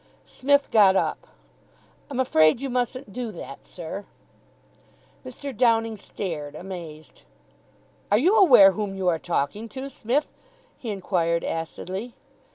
Psmith got up. "I'm afraid you mustn't do that, sir." Mr. Downing stared, amazed. "Are you aware whom you are talking to, Smith?" he inquired acidly.